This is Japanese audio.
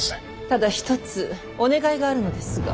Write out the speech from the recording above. ただ一つお願いがあるのですが。